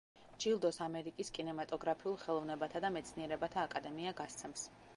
ჯილდოს ამერიკის კინემატოგრაფიულ ხელოვნებათა და მეცნიერებათა აკადემია გასცემს.